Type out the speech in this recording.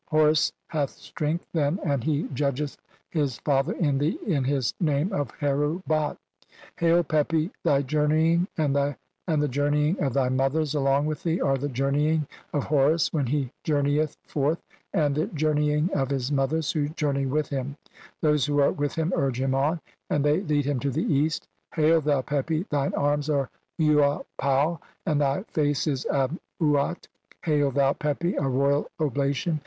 Horus hath strength, then, and he "judgeth his father in thee in his name of 'Heru "Bat\" "Hail, Pepi, thy journeying and the journeying of "thy mothers along with thee (41) are the journeying "of Horus when he journeyeth forth and the jour "neying of his mothers who journey with him ; those "who are with him urge him on, (42) and they lead "him to the East. Hail, thou Pepi, thine arms are "Uapau, and thy face is Ap uat. (a.3) Hail, thou Pepi, "a royal oblation